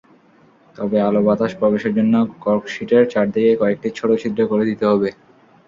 তবে আলো-বাতাস প্রবেশের জন্য কর্কশিটের চারদিকে কয়েকটি ছোট ছিদ্র করে দিতে হবে।